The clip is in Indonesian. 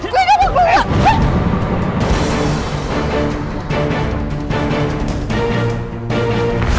gue gak mau keluar